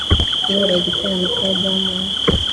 kubera igitaramo cya Diamond